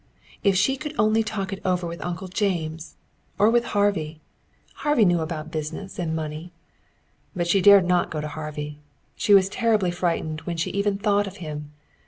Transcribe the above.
If she could only talk it over with Uncle James! Or, with Harvey. Harvey knew about business and money. But she dared not go to Harvey. She was terribly frightened when she even thought of him.